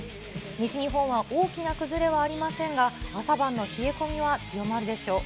西日本は大きな崩れはありませんが、朝晩の冷え込みは強まるでしょう。